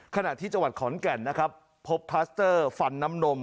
ขณะที่จังหวัดขอนแก่นนะครับพบคลัสเตอร์ฟันน้ำนม